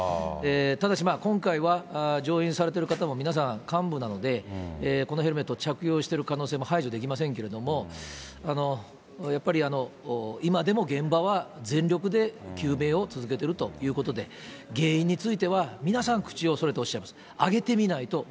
ただし、今回は、乗員されてる方も皆さん幹部なので、このヘルメットを着用している可能性も排除できませんけれども、やっぱり今でも現場は全力で救命を続けてるということで、原因については皆さん、口をそろえておっしゃいます。